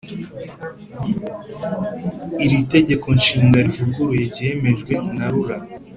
Iri Tegeko Nshinga rivuguruye ryemejwe na rura